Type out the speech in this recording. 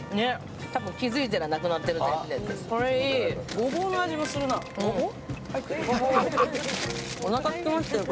ごぼうの味もするなごぼう？